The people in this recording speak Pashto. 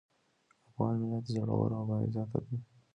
افغان ملت زړور او باعزته دی.